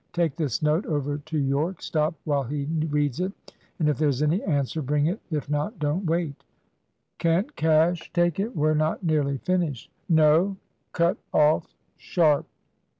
Take this note over to Yorke. Stop while he reads it, and if there's any answer, bring it; if not, don't wait." "Can't Cash take it? We're not nearly finished." "No. Cut off, sharp!"